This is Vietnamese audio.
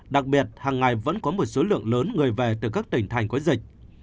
đặc biệt hàng ngày vẫn có một số lượng lớn người về từ các tỉnh thành có dịch